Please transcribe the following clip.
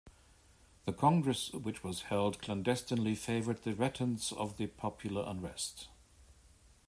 The congress, which was held clandestinely, favored the retence of the popular unrest.